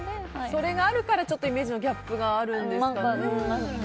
それがあるからイメージのギャップがあるんですかね。